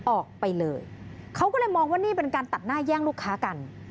ออกไปเลยเขาก็เลยมองว่านี่เป็นการตัดหน้าแย่งลูกค้ากัน